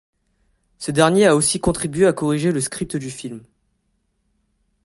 Ce dernier a aussi contribué à corriger le script du film.